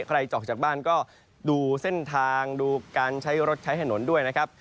ใครจะออกจากบ้านก็ดูเส้นทางดูการใช้รถใช้ถนนด้วยนะครับ